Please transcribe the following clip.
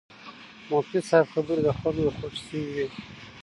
د مفتي صاحب خبرې د خلکو خوښې شوې وې.